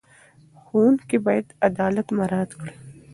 ښوونکي باید عدالت مراعت کړي.